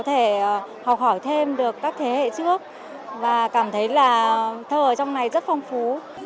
có thể học hỏi thêm được các thế hệ trước và cảm thấy là thơ ở trong này rất phong phú